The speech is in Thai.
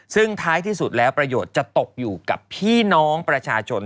ซึ่งท้ายที่สุดแล้วประโยชน์จะตกอยู่กับพี่น้องประชาชน